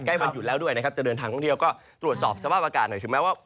วันหยุดแล้วด้วยนะครับจะเดินทางท่องเที่ยวก็ตรวจสอบสภาพอากาศหน่อยถึงแม้ว่า